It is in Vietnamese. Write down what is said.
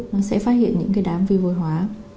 nó sẽ phát hiện những cái đám vi hồi hóa